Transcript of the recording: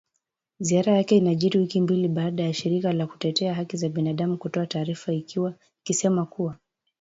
Ziara yake inajiri wiki mbili baada ya shirika la kutetea haki za binadamu kutoa taarifa ikisema kuwa